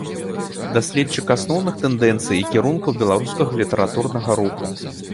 Даследчык асноўных тэндэнцый і кірункаў беларускага літаратурнага руху.